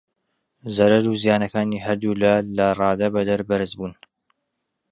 زەرەر و زیانەکانی هەردوو لا لە ڕادەبەدەر بەرز بوون.